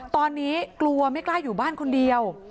ตอนนี้กลัวไม่กล้าอยู่บ้านคนเดียว